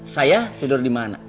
saya tidur dimana